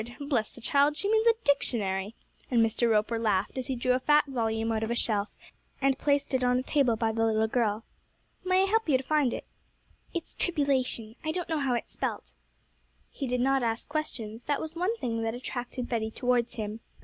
Bless the child, she means a dictionary!' and Mr. Roper laughed as he drew a fat volume out of a shelf, and placed it on a table by the little girl. 'May I help you to find it?' 'It's tribulation. I don't know how it's spelt.' He did not ask questions; that was one thing that attracted Betty towards him.